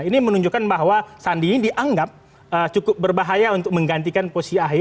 ini menunjukkan bahwa sandi ini dianggap cukup berbahaya untuk menggantikan posisi ahy